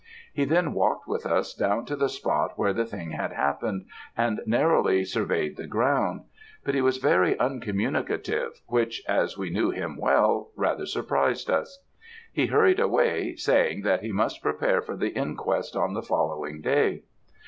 He then walked with us down to the spot where the thing had happened, and narrowly surveyed the ground; but he was very uncommunicative, which, as we knew him well, rather surprised us. He hurried away, saying, that he must prepare for the inquest on the following day.